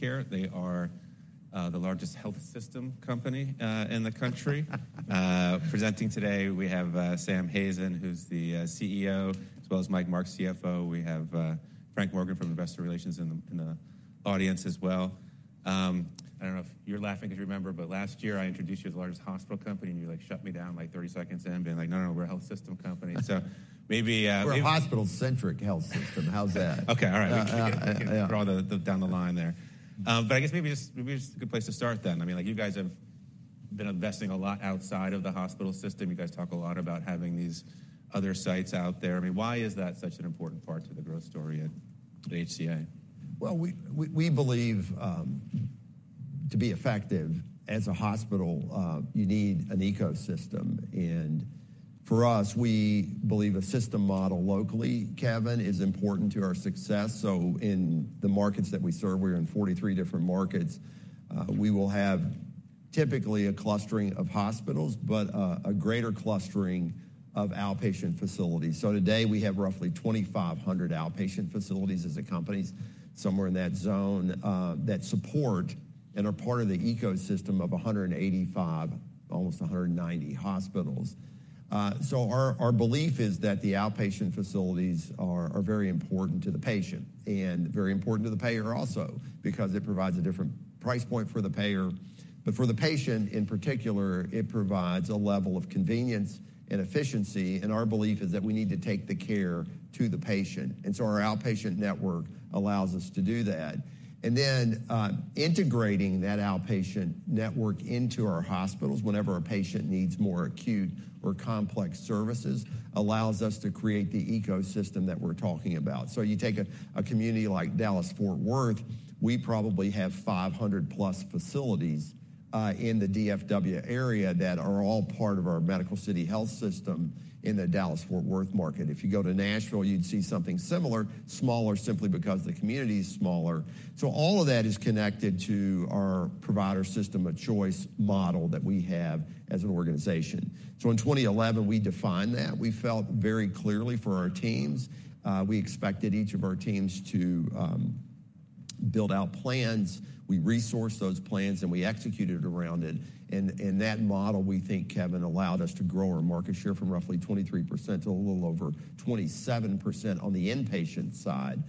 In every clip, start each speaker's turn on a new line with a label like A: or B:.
A: Care. They are the largest health system company in the country. Presenting today, we have Sam Hazen, who's the CEO, as well as Mike Marks, CFO. We have Frank Morgan from Investor Relations in the audience as well. I don't know if you're laughing because you remember, but last year I introduced you as the largest hospital company and you shut me down 30 seconds in, being like, "No, no, no. We're a health system company." So maybe.
B: We're a hospital-centric health system. How's that?
A: Okay. All right. We can draw down the line there. But I guess maybe it's a good place to start then. I mean, you guys have been investing a lot outside of the hospital system. You guys talk a lot about having these other sites out there. I mean, why is that such an important part to the growth story at HCA?
B: Well, we believe to be effective as a hospital, you need an ecosystem. For us, we believe a system model locally, Kevin, is important to our success. In the markets that we serve, we're in 43 different markets. We will have typically a clustering of hospitals, but a greater clustering of outpatient facilities. Today we have roughly 2,500 outpatient facilities as a company, somewhere in that zone, that support and are part of the ecosystem of 185, almost 190 hospitals. Our belief is that the outpatient facilities are very important to the patient and very important to the payer also because it provides a different price point for the payer. But for the patient in particular, it provides a level of convenience and efficiency. Our belief is that we need to take the care to the patient. So our outpatient network allows us to do that. Then integrating that outpatient network into our hospitals whenever a patient needs more acute or complex services allows us to create the ecosystem that we're talking about. So you take a community like Dallas-Fort Worth, we probably have 500+ facilities in the DFW area that are all part of our Medical City Health System in the Dallas-Fort Worth market. If you go to Nashville, you'd see something similar, smaller simply because the community is smaller. So all of that is connected to our provider system of choice model that we have as an organization. So in 2011, we defined that. We felt very clearly for our teams. We expected each of our teams to build out plans. We resourced those plans and we executed around it. That model, we think, Kevin, allowed us to grow our market share from roughly 23% to a little over 27% on the inpatient side.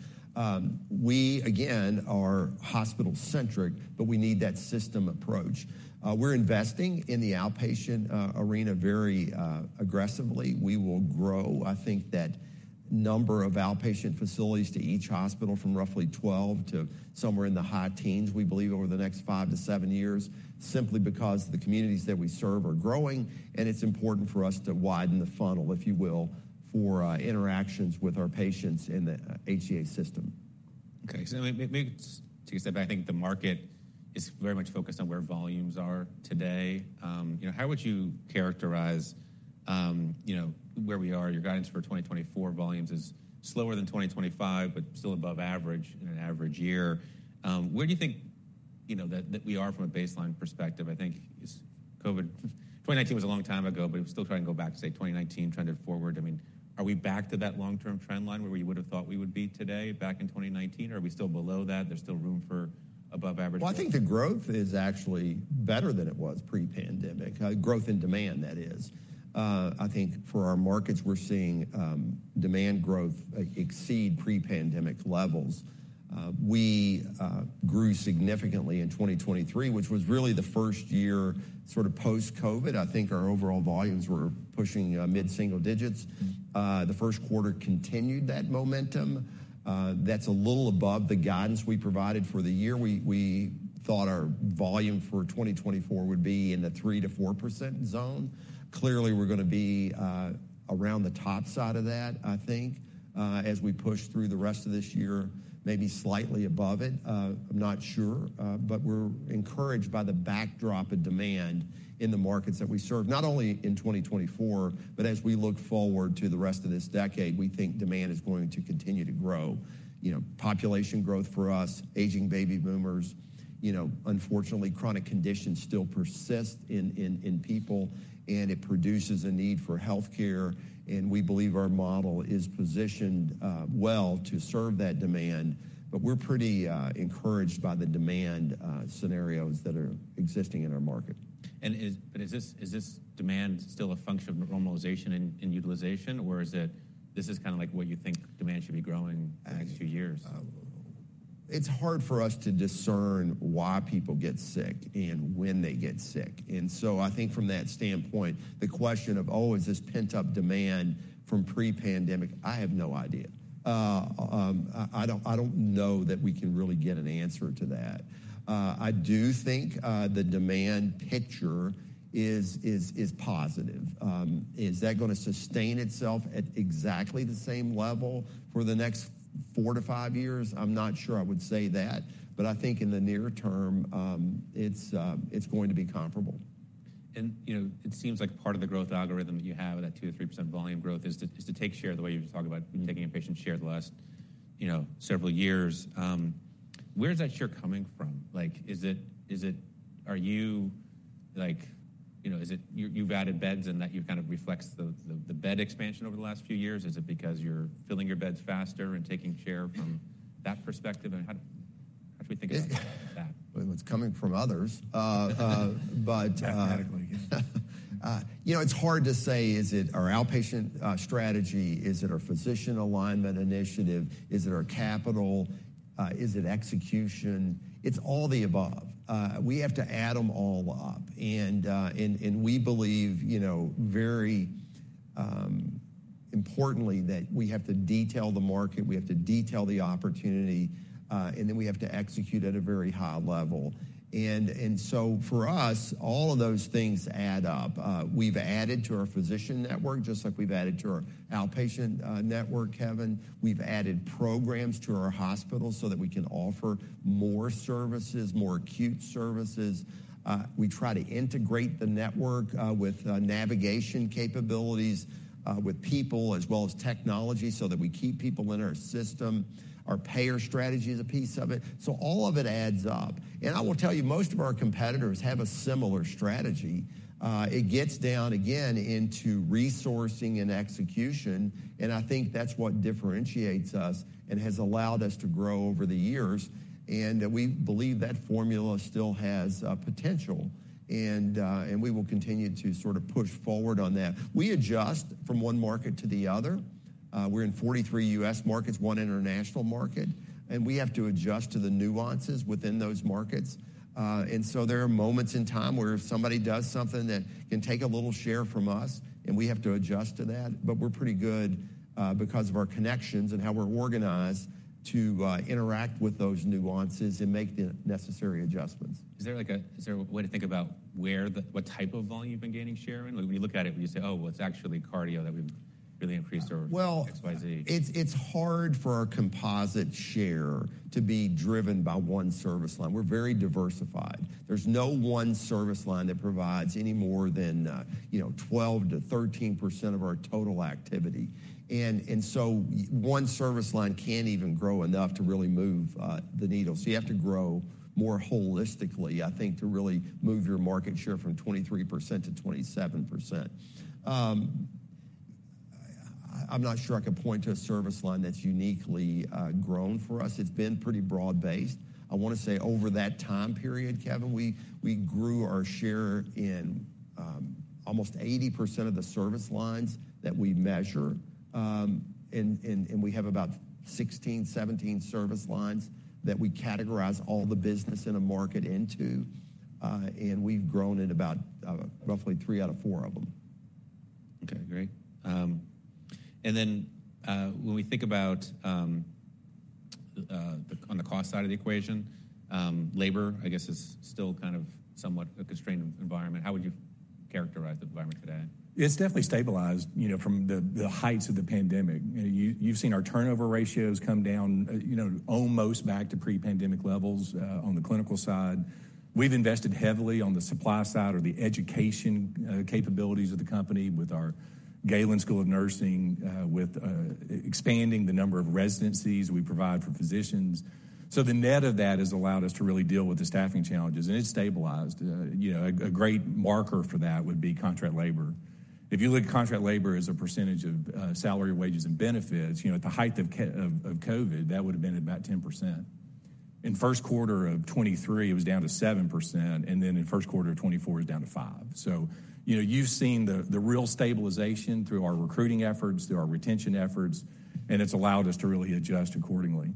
B: We, again, are hospital-centric, but we need that system approach. We're investing in the outpatient arena very aggressively. We will grow, I think, that number of outpatient facilities to each hospital from roughly 12 to somewhere in the high teens, we believe, over the next five-seven years simply because the communities that we serve are growing. It's important for us to widen the funnel, if you will, for interactions with our patients in the HCA system.
A: Okay. Maybe take a step back. I think the market is very much focused on where volumes are today. How would you characterize where we are? Your guidance for 2024 volumes is slower than 2025, but still above average in an average year. Where do you think that we are from a baseline perspective? I think COVID 2019 was a long time ago, but we're still trying to go back to, say, 2019, trending forward. I mean, are we back to that long-term trend line where we would have thought we would be today back in 2019, or are we still below that? There's still room for above average?
B: Well, I think the growth is actually better than it was pre-pandemic. Growth in demand, that is. I think for our markets, we're seeing demand growth exceed pre-pandemic levels. We grew significantly in 2023, which was really the first year sort of post-COVID. I think our overall volumes were pushing mid-single digits. The first quarter continued that momentum. That's a little above the guidance we provided for the year. We thought our volume for 2024 would be in the 3%-4% zone. Clearly, we're going to be around the top side of that, I think, as we push through the rest of this year, maybe slightly above it. I'm not sure. But we're encouraged by the backdrop of demand in the markets that we serve, not only in 2024, but as we look forward to the rest of this decade, we think demand is going to continue to grow. Population growth for us, aging baby boomers, unfortunately, chronic conditions still persist in people, and it produces a need for healthcare. And we believe our model is positioned well to serve that demand. But we're pretty encouraged by the demand scenarios that are existing in our market.
A: Is this demand still a function of normalization and utilization, or is it this is kind of like what you think demand should be growing in the next two years?
B: It's hard for us to discern why people get sick and when they get sick. So I think from that standpoint, the question of, "Oh, is this pent-up demand from pre-pandemic?" I have no idea. I don't know that we can really get an answer to that. I do think the demand picture is positive. Is that going to sustain itself at exactly the same level for the next four-five years? I'm not sure I would say that. But I think in the near term, it's going to be comparable.
A: It seems like part of the growth algorithm that you have at that 2%-3% volume growth is to take share the way you were talking about taking inpatient share the last several years. Where's that share coming from? Are you? You've added beds and that kind of reflects the bed expansion over the last few years. Is it because you're filling your beds faster and taking share from that perspective? And how should we think about that?
B: It's coming from others. But.
A: Mathematically, yeah.
B: It's hard to say. Is it our outpatient strategy? Is it our physician alignment initiative? Is it our capital? Is it execution? It's all the above. We have to add them all up. We believe, very importantly, that we have to detail the market. We have to detail the opportunity. Then we have to execute at a very high level. So for us, all of those things add up. We've added to our physician network just like we've added to our outpatient network, Kevin. We've added programs to our hospitals so that we can offer more services, more acute services. We try to integrate the network with navigation capabilities, with people, as well as technology so that we keep people in our system. Our payer strategy is a piece of it. So all of it adds up. I will tell you, most of our competitors have a similar strategy. It gets down, again, into resourcing and execution. I think that's what differentiates us and has allowed us to grow over the years. We believe that formula still has potential. We will continue to sort of push forward on that. We adjust from one market to the other. We're in 43 U.S. markets, one international market. We have to adjust to the nuances within those markets. So there are moments in time where if somebody does something that can take a little share from us, and we have to adjust to that. But we're pretty good because of our connections and how we're organized to interact with those nuances and make the necessary adjustments.
A: Is there a way to think about what type of volume you've been gaining share in? When you look at it, would you say, "Oh, well, it's actually cardio that we've really increased over X, Y, Z"?
B: Well, it's hard for our composite share to be driven by one service line. We're very diversified. There's no one service line that provides any more than 12%-13% of our total activity. And so one service line can't even grow enough to really move the needle. So you have to grow more holistically, I think, to really move your market share from 23%-27%. I'm not sure I could point to a service line that's uniquely grown for us. It's been pretty broad-based. I want to say over that time period, Kevin, we grew our share in almost 80% of the service lines that we measure. And we have about 16, 17 service lines that we categorize all the business in a market into. And we've grown in about roughly three out of four of them.
A: Okay. Great. And then when we think about on the cost side of the equation, labor, I guess, is still kind of somewhat a constrained environment. How would you characterize the environment today?
C: It's definitely stabilized from the heights of the pandemic. You've seen our turnover ratios come down almost back to pre-pandemic levels on the clinical side. We've invested heavily on the supply side or the education capabilities of the company with our Galen School of Nursing, with expanding the number of residencies we provide for physicians. So the net of that has allowed us to really deal with the staffing challenges. And it's stabilized. A great marker for that would be contract labor. If you look at contract labor as a percentage of salary, wages, and benefits, at the height of COVID, that would have been at about 10%. In first quarter of 2023, it was down to 7%. And then in first quarter of 2024, it was down to 5%. So you've seen the real stabilization through our recruiting efforts, through our retention efforts. And it's allowed us to really adjust accordingly.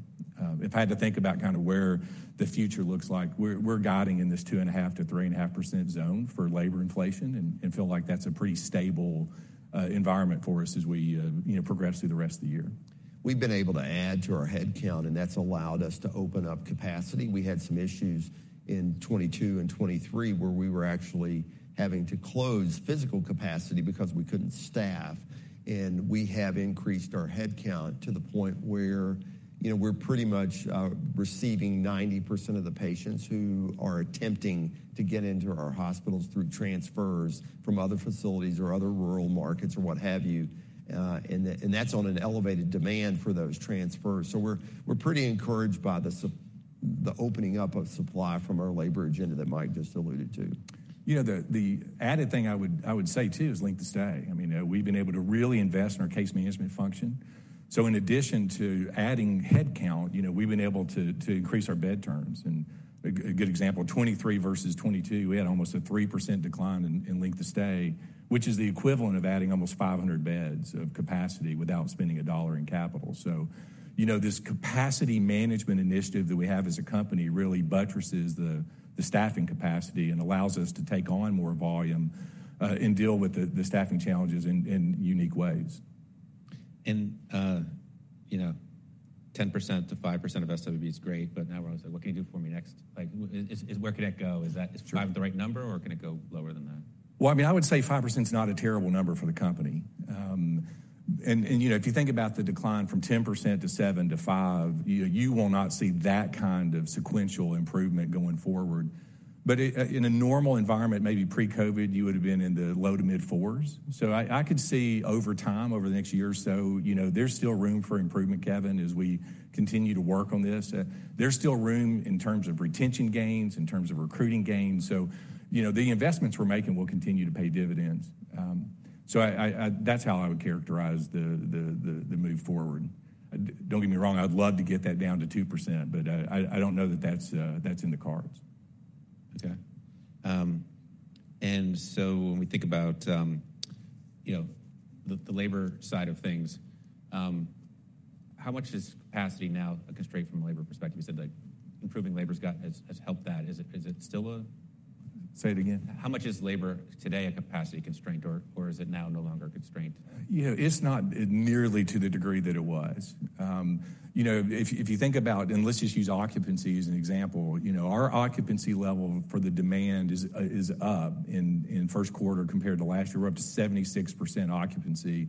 C: If I had to think about kind of where the future looks like, we're guiding in this 2.5%-3.5% zone for labor inflation and feel like that's a pretty stable environment for us as we progress through the rest of the year.
B: We've been able to add to our headcount. And that's allowed us to open up capacity. We had some issues in 2022 and 2023 where we were actually having to close physical capacity because we couldn't staff. And we have increased our headcount to the point where we're pretty much receiving 90% of the patients who are attempting to get into our hospitals through transfers from other facilities or other rural markets or what have you. And that's on an elevated demand for those transfers. So we're pretty encouraged by the opening up of supply from our labor agenda that Mike just alluded to.
C: Yeah. The added thing I would say too is length of stay. I mean, we've been able to really invest in our case management function. So in addition to adding headcount, we've been able to increase our bed turns. And a good example, 2023 versus 2022, we had almost a 3% decline in length of stay, which is the equivalent of adding almost 500 beds of capacity without spending a dollar in capital. So this capacity management initiative that we have as a company really buttresses the staffing capacity and allows us to take on more volume and deal with the staffing challenges in unique ways.
A: 10%-5% of SWB is great. But now we're always like, "What can you do for me next?" Where could that go? Is that driving the right number, or can it go lower than that?
C: Well, I mean, I would say 5% is not a terrible number for the company. And if you think about the decline from 10% to 7% to 5%, you will not see that kind of sequential improvement going forward. But in a normal environment, maybe pre-COVID, you would have been in the low to mid fours. So I could see over time, over the next year or so, there's still room for improvement, Kevin, as we continue to work on this. There's still room in terms of retention gains, in terms of recruiting gains. So the investments we're making will continue to pay dividends. So that's how I would characterize the move forward. Don't get me wrong. I'd love to get that down to 2%. But I don't know that that's in the cards.
A: Okay. And so when we think about the labor side of things, how much is capacity now a constraint from a labor perspective? You said improving labor has helped that. Is it still a?
C: Say it again.
A: How much is labor today a capacity constraint, or is it now no longer a constraint?
C: It's not nearly to the degree that it was. If you think about and let's just use occupancy as an example. Our occupancy level for the demand is up in first quarter compared to last year. We're up to 76% occupancy.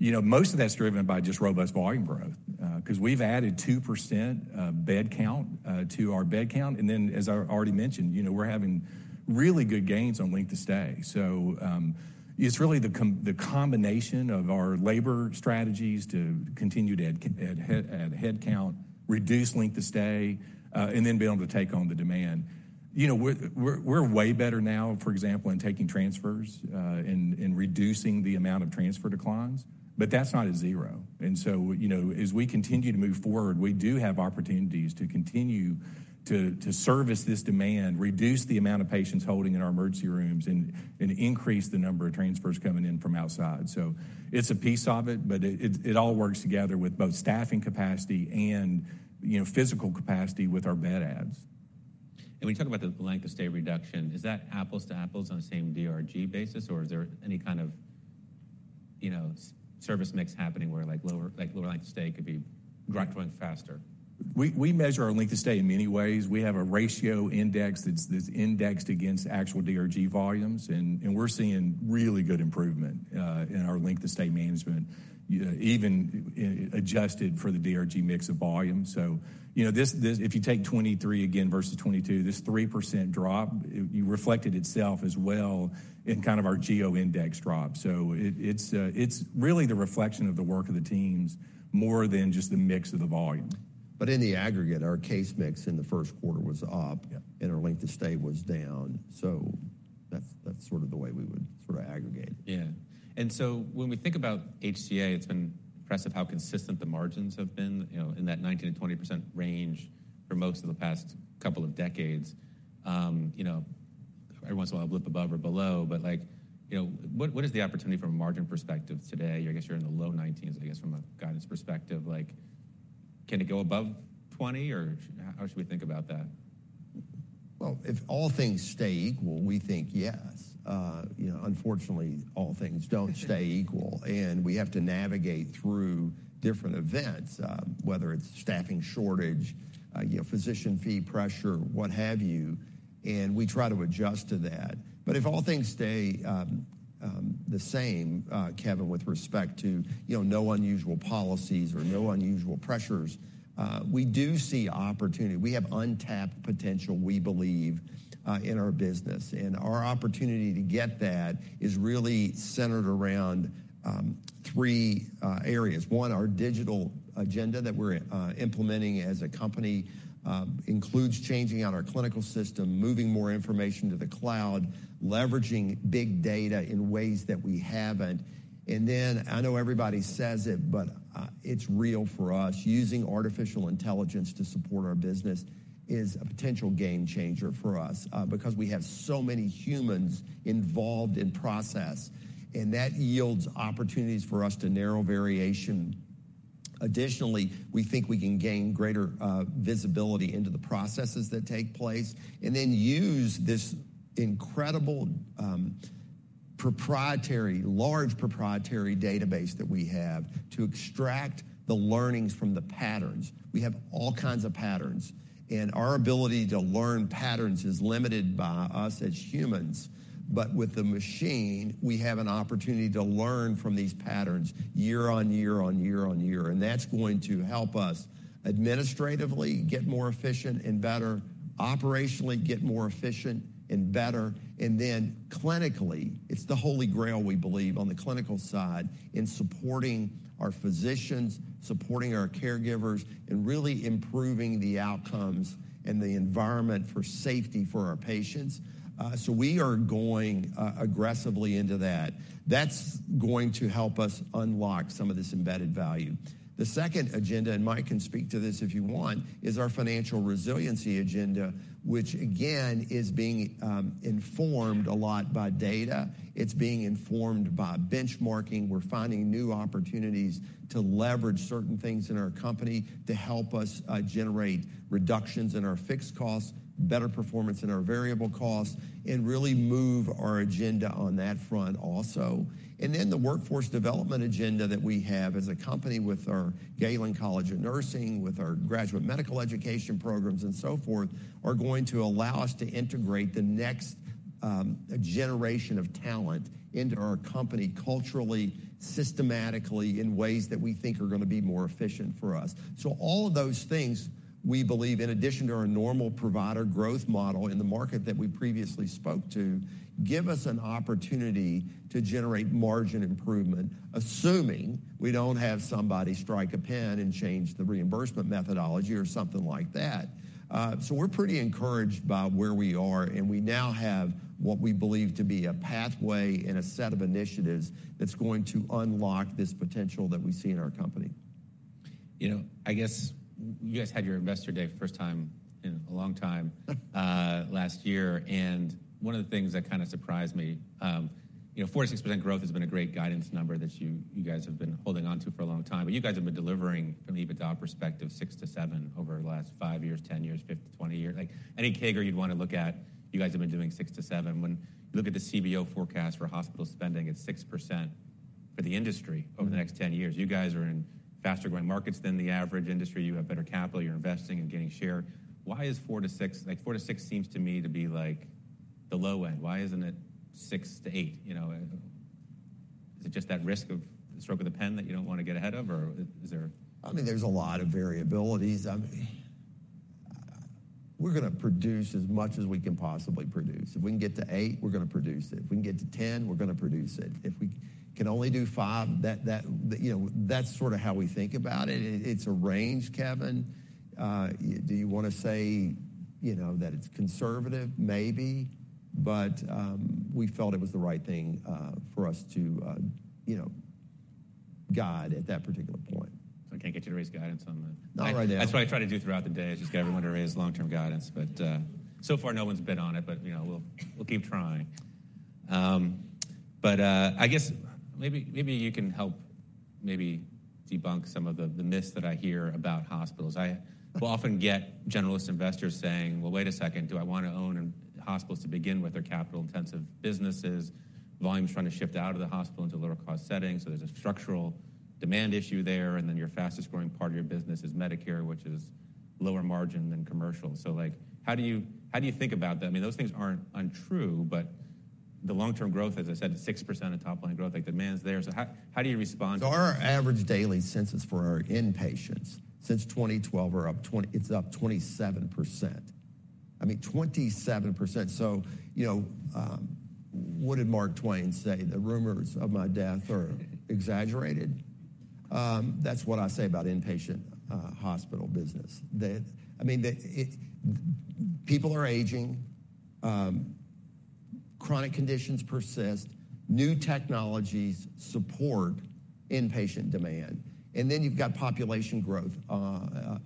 C: Most of that's driven by just robust volume growth because we've added 2% bed count to our bed count. And then, as I already mentioned, we're having really good gains on length of stay. So it's really the combination of our labor strategies to continue to add headcount, reduce length of stay, and then be able to take on the demand. We're way better now, for example, in taking transfers and reducing the amount of transfer declines. But that's not a zero. And so as we continue to move forward, we do have opportunities to continue to service this demand, reduce the amount of patients holding in our emergency rooms, and increase the number of transfers coming in from outside. So it's a piece of it. But it all works together with both staffing capacity and physical capacity with our bed adds.
A: When you talk about the length of stay reduction, is that apples to apples on the same DRG basis, or is there any kind of service mix happening where lower length of stay could be growing faster?
C: We measure our length of stay in many ways. We have a ratio index that's indexed against actual DRG volumes. And we're seeing really good improvement in our length of stay management, even adjusted for the DRG mix of volume. So if you take 2023 again versus 2022, this 3% drop reflected itself as well in kind of our Geo index drop. So it's really the reflection of the work of the teams more than just the mix of the volume.
B: But in the aggregate, our case mix in the first quarter was up, and our length of stay was down. So that's sort of the way we would sort of aggregate it.
A: Yeah. And so when we think about HCA, it's been impressive how consistent the margins have been in that 19%-20% range for most of the past couple of decades. Every once in a while, I'll blip above or below. But what is the opportunity from a margin perspective today? I guess you're in the low 90s, I guess, from a guidance perspective. Can it go above 20%, or how should we think about that?
B: Well, if all things stay equal, we think yes. Unfortunately, all things don't stay equal. We have to navigate through different events, whether it's staffing shortage, physician fee pressure, what have you. We try to adjust to that. But if all things stay the same, Kevin, with respect to no unusual policies or no unusual pressures, we do see opportunity. We have untapped potential, we believe, in our business. Our opportunity to get that is really centered around three areas. One, our digital agenda that we're implementing as a company includes changing out our clinical system, moving more information to the cloud, leveraging big data in ways that we haven't. And then I know everybody says it, but it's real for us. Using artificial intelligence to support our business is a potential game changer for us because we have so many humans involved in process. And that yields opportunities for us to narrow variation. Additionally, we think we can gain greater visibility into the processes that take place and then use this incredible proprietary, large proprietary database that we have to extract the learnings from the patterns. We have all kinds of patterns. And our ability to learn patterns is limited by us as humans. But with the machine, we have an opportunity to learn from these patterns year-on-year-on-year-on-year. And that's going to help us administratively get more efficient and better, operationally get more efficient and better, and then clinically, it's the Holy Grail, we believe, on the clinical side in supporting our physicians, supporting our caregivers, and really improving the outcomes and the environment for safety for our patients. So we are going aggressively into that. That's going to help us unlock some of this embedded value. The second agenda, and Mike can speak to this if you want, is our financial resiliency agenda, which, again, is being informed a lot by data. It's being informed by benchmarking. We're finding new opportunities to leverage certain things in our company to help us generate reductions in our fixed costs, better performance in our variable costs, and really move our agenda on that front also. And then the workforce development agenda that we have as a company with our Galen College of Nursing, with our graduate medical education programs and so forth, are going to allow us to integrate the next generation of talent into our company culturally, systematically, in ways that we think are going to be more efficient for us. So all of those things, we believe, in addition to our normal provider growth model in the market that we previously spoke to, give us an opportunity to generate margin improvement, assuming we don't have somebody strike a pen and change the reimbursement methodology or something like that. So we're pretty encouraged by where we are. And we now have what we believe to be a pathway and a set of initiatives that's going to unlock this potential that we see in our company.
A: I guess you guys had your investor day for the first time in a long time last year. One of the things that kind of surprised me, 46% growth has been a great guidance number that you guys have been holding on to for a long time. You guys have been delivering, from an EBITDA perspective, 6%-7% over the last five years, 10 years, 20 years. Any CAGR you'd want to look at, you guys have been doing 6%-7%. When you look at the CBO forecast for hospital spending, it's 6% for the industry over the next 10 years. You guys are in faster-growing markets than the average industry. You have better capital. You're investing and getting share. Why is 4%-6%? 4%-6% seems to me to be the low end. Why isn't it 6%-8%? Is it just that risk of the stroke of the pen that you don't want to get ahead of, or is there?
B: I mean, there's a lot of variabilities. We're going to produce as much as we can possibly produce. If we can get to 8, we're going to produce it. If we can get to 10, we're going to produce it. If we can only do 5, that's sort of how we think about it. It's a range, Kevin. Do you want to say that it's conservative? Maybe. But we felt it was the right thing for us to guide at that particular point.
A: So I can't get you to raise guidance on the.
B: Not right now.
A: That's what I try to do throughout the day, is just get everyone to raise long-term guidance. But so far, no one's bid on it. But we'll keep trying. But I guess maybe you can help maybe debunk some of the myths that I hear about hospitals. I will often get generalist investors saying, "Well, wait a second. Do I want to own hospitals to begin with or capital-intensive businesses? Volume's trying to shift out of the hospital into lower-cost settings. So there's a structural demand issue there. And then your fastest-growing part of your business is Medicare, which is lower margin than commercial." So how do you think about that? I mean, those things aren't untrue. But the long-term growth, as I said, is 6% of top-line growth. Demand's there. So how do you respond?
B: So our average daily census for our inpatients since 2012, it's up 27%. I mean, 27%. So what did Mark Twain say? The rumors of my death are exaggerated. That's what I say about inpatient hospital business. I mean, people are aging. Chronic conditions persist. New technologies support inpatient demand. And then you've got population growth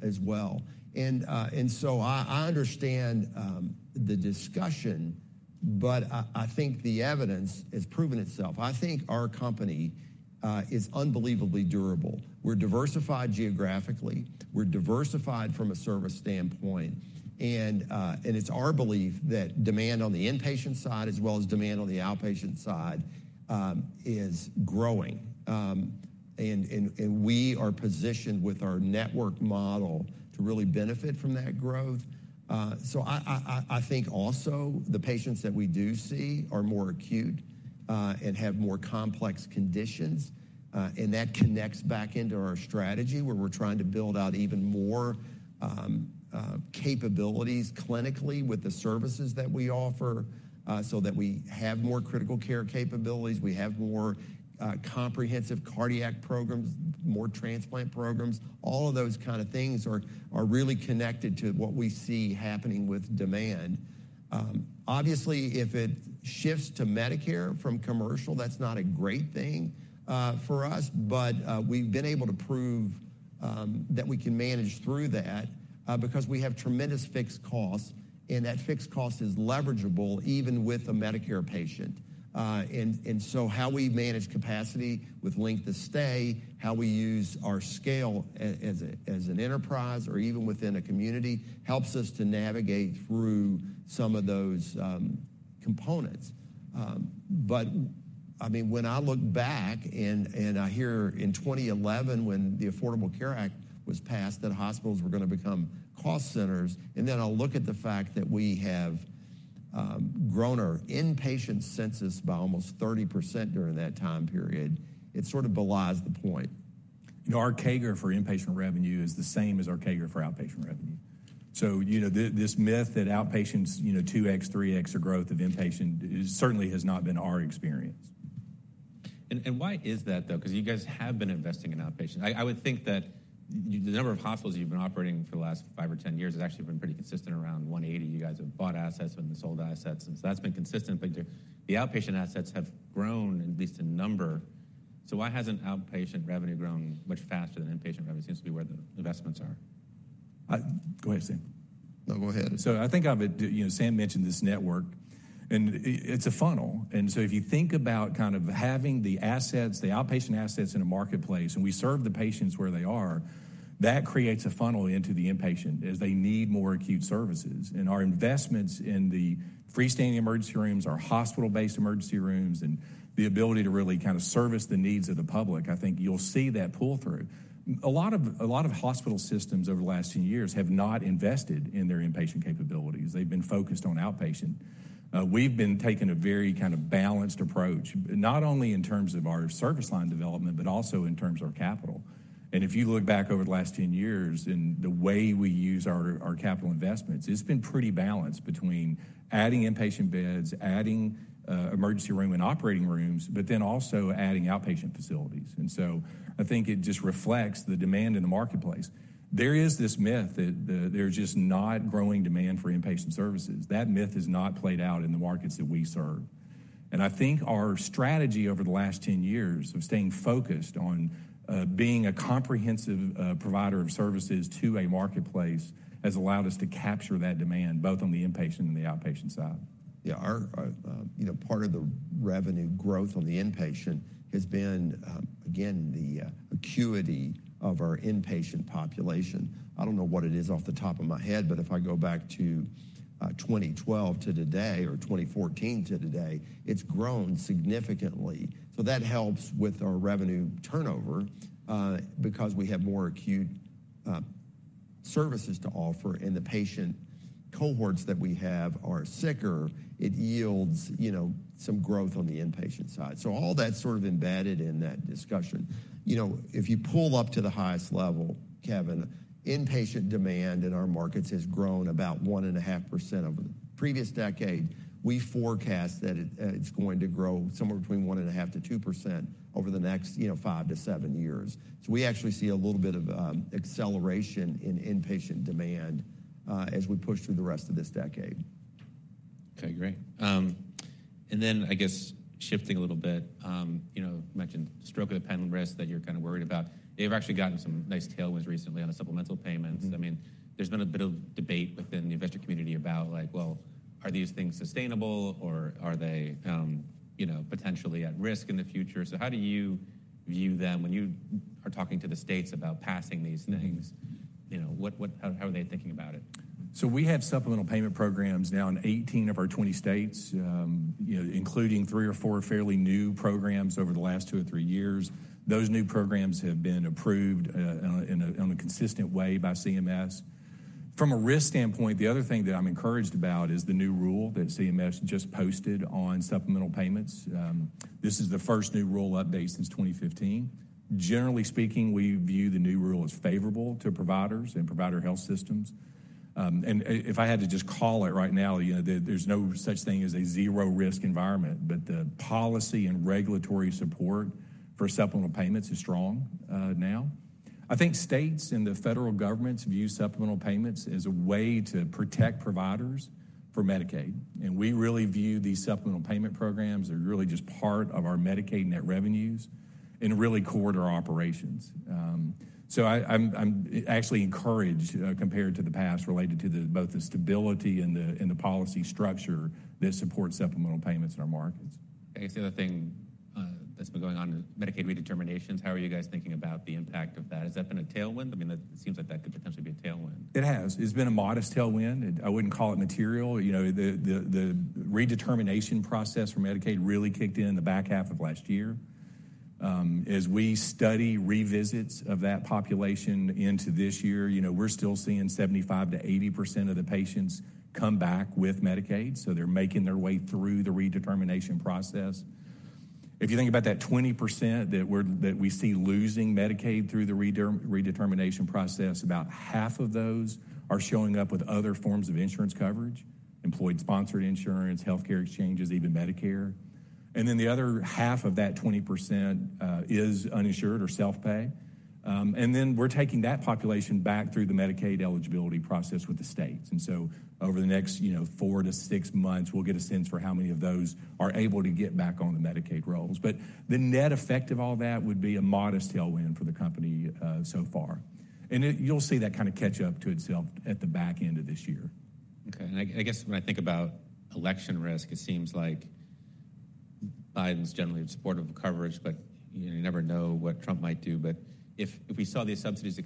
B: as well. And so I understand the discussion. But I think the evidence has proven itself. I think our company is unbelievably durable. We're diversified geographically. We're diversified from a service standpoint. And it's our belief that demand on the inpatient side as well as demand on the outpatient side is growing. And we are positioned with our network model to really benefit from that growth. So I think also the patients that we do see are more acute and have more complex conditions. That connects back into our strategy, where we're trying to build out even more capabilities clinically with the services that we offer so that we have more critical care capabilities. We have more comprehensive cardiac programs, more transplant programs. All of those kind of things are really connected to what we see happening with demand. Obviously, if it shifts to Medicare from commercial, that's not a great thing for us. But we've been able to prove that we can manage through that because we have tremendous fixed costs. And that fixed cost is leverageable even with a Medicare patient. And so how we manage capacity with length of stay, how we use our scale as an enterprise or even within a community helps us to navigate through some of those components. But I mean, when I look back and I hear in 2011, when the Affordable Care Act was passed, that hospitals were going to become cost centers. And then I'll look at the fact that we have grown our inpatient census by almost 30% during that time period. It sort of belies the point. Our CAGR for inpatient revenue is the same as our CAGR for outpatient revenue. So this myth that outpatients 2x, 3x the growth of inpatient certainly has not been our experience.
A: And why is that, though? Because you guys have been investing in outpatient. I would think that the number of hospitals you've been operating for the last five or 10 years has actually been pretty consistent, around 180. You guys have bought assets and sold assets. And so that's been consistent. But the outpatient assets have grown, at least in number. So why hasn't outpatient revenue grown much faster than inpatient revenue? It seems to be where the investments are.
C: Go ahead, Sam.
B: No, go ahead.
C: So I think Sam mentioned this network. It's a funnel. So if you think about kind of having the assets, the outpatient assets in a marketplace, and we serve the patients where they are, that creates a funnel into the inpatient as they need more acute services. Our investments in the freestanding emergency rooms, our hospital-based emergency rooms, and the ability to really kind of service the needs of the public, I think you'll see that pull through. A lot of hospital systems over the last 10 years have not invested in their inpatient capabilities. They've been focused on outpatient. We've been taking a very kind of balanced approach, not only in terms of our service line development but also in terms of our capital. And if you look back over the last 10 years and the way we use our capital investments, it's been pretty balanced between adding inpatient beds, adding emergency room and operating rooms, but then also adding outpatient facilities. And so I think it just reflects the demand in the marketplace. There is this myth that there's just not growing demand for inpatient services. That myth has not played out in the markets that we serve. And I think our strategy over the last 10 years of staying focused on being a comprehensive provider of services to a marketplace has allowed us to capture that demand both on the inpatient and the outpatient side.
B: Yeah. Part of the revenue growth on the inpatient has been, again, the acuity of our inpatient population. I don't know what it is off the top of my head. But if I go back to 2012 to today or 2014 to today, it's grown significantly. So that helps with our revenue turnover because we have more acute services to offer. And the patient cohorts that we have are sicker. It yields some growth on the inpatient side. So all that's sort of embedded in that discussion. If you pull up to the highest level, Kevin, inpatient demand in our markets has grown about 1.5% over the previous decade. We forecast that it's going to grow somewhere between 1.5%-2% over the next five-seven years. So we actually see a little bit of acceleration in inpatient demand as we push through the rest of this decade.
A: Okay. Great. And then I guess shifting a little bit, you mentioned stroke of the pen and risk that you're kind of worried about. They've actually gotten some nice tailwinds recently on the supplemental payments. I mean, there's been a bit of debate within the investor community about, well, are these things sustainable, or are they potentially at risk in the future? So how do you view them when you are talking to the states about passing these things? How are they thinking about it?
C: So we have supplemental payment programs now in 18 of our 20 states, including three or four fairly new programs over the last two or three years. Those new programs have been approved in a consistent way by CMS. From a risk standpoint, the other thing that I'm encouraged about is the new rule that CMS just posted on supplemental payments. This is the first new rule update since 2015. Generally speaking, we view the new rule as favorable to providers and provider health systems. And if I had to just call it right now, there's no such thing as a zero-risk environment. But the policy and regulatory support for supplemental payments is strong now. I think states and the federal governments view supplemental payments as a way to protect providers for Medicaid. We really view these supplemental payment programs as really just part of our Medicaid net revenues and really core to our operations. I'm actually encouraged compared to the past related to both the stability and the policy structure that supports supplemental payments in our markets.
A: I guess the other thing that's been going on is Medicaid redeterminations. How are you guys thinking about the impact of that? Has that been a tailwind? I mean, it seems like that could potentially be a tailwind.
C: It has. It's been a modest tailwind. I wouldn't call it material. The redetermination process for Medicaid really kicked in the back half of last year. As we study revisits of that population into this year, we're still seeing 75%-80% of the patients come back with Medicaid. So they're making their way through the redetermination process. If you think about that 20% that we see losing Medicaid through the redetermination process, about half of those are showing up with other forms of insurance coverage: employer-sponsored insurance, healthcare exchanges, even Medicare. And then the other half of that 20% is uninsured or self-pay. And then we're taking that population back through the Medicaid eligibility process with the states. And so over the next four to six months, we'll get a sense for how many of those are able to get back on the Medicaid rolls. But the net effect of all that would be a modest tailwind for the company so far. And you'll see that kind of catch up to itself at the back end of this year.
A: Okay. And I guess when I think about election risk, it seems like Biden's generally supportive of coverage. But you never know what Trump might do. But if we saw these subsidies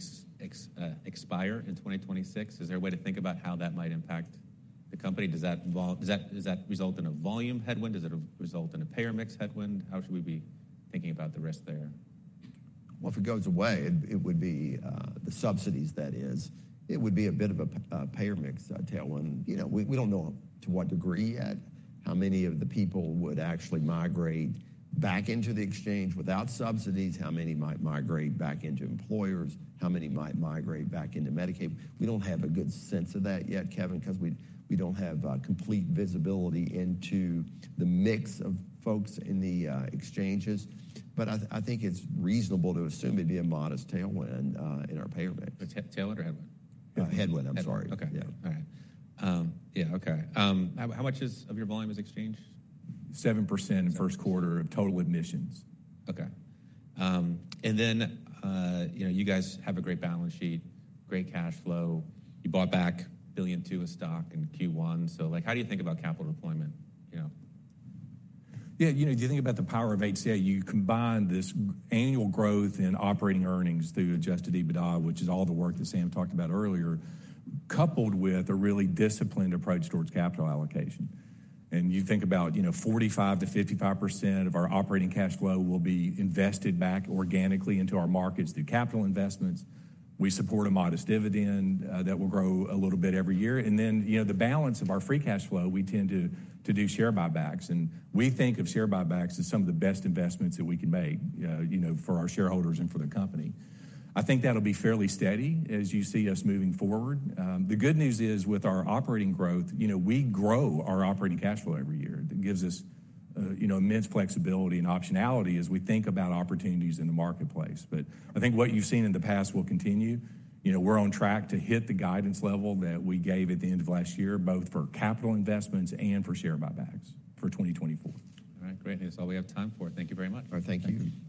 A: expire in 2026, is there a way to think about how that might impact the company? Does that result in a volume headwind? Does it result in a payer-mix headwind? How should we be thinking about the risk there?
B: Well, if it goes away, it would be the subsidies, that is. It would be a bit of a payer-mix tailwind. We don't know to what degree yet how many of the people would actually migrate back into the exchange without subsidies, how many might migrate back into employers, how many might migrate back into Medicaid. We don't have a good sense of that yet, Kevin, because we don't have complete visibility into the mix of folks in the exchanges. But I think it's reasonable to assume it'd be a modest tailwind in our payer mix.
A: Tailwind or headwind?
B: Headwind. I'm sorry.
A: Okay. All right. Yeah. Okay. How much of your volume is exchange?
C: 7% first quarter of total admissions.
A: Okay. And then you guys have a great balance sheet, great cash flow. You bought back $1.2 billion of stock in Q1. So how do you think about capital deployment?
C: Yeah. Do you think about the power of HCA? You combine this annual growth in operating earnings through adjusted EBITDA, which is all the work that Sam talked about earlier, coupled with a really disciplined approach towards capital allocation. And you think about 45%-55% of our operating cash flow will be invested back organically into our markets through capital investments. We support a modest dividend that will grow a little bit every year. And then the balance of our free cash flow, we tend to do share buybacks. And we think of share buybacks as some of the best investments that we can make for our shareholders and for the company. I think that'll be fairly steady as you see us moving forward. The good news is, with our operating growth, we grow our operating cash flow every year. That gives us immense flexibility and optionality as we think about opportunities in the marketplace. But I think what you've seen in the past will continue. We're on track to hit the guidance level that we gave at the end of last year, both for capital investments and for share buybacks for 2024.
A: All right. Great. That's all we have time for. Thank you very much.
C: All right. Thank you.